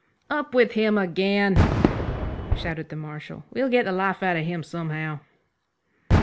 "Up with him again!" shouted the Marshal, "we'll get the life out of him somehow."